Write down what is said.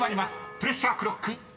プレッシャークロックスタート！］